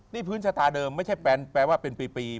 นี่พื้นชะตาเดิมไม่ใช่แปลว่าเป็นปี